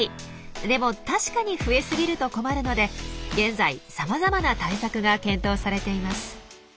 でも確かに増え過ぎると困るので現在さまざまな対策が検討されています。